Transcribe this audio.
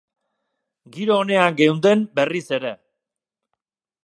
Giro onean geunden berriz ere.